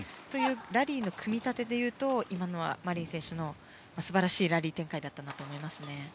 ラリーの組み立てでいうと今のはマリン選手の素晴らしいラリー展開だったなと思いますね。